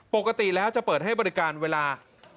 ปกติแล้วจะเปิดให้บริการเวลา